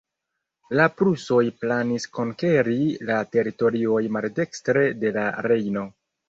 La prusoj planis konkeri la teritorioj maldekstre de la Rejno.